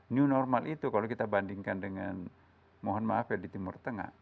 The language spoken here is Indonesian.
new normal itu kalau kita bandingkan dengan mohon maaf ya di timur tengah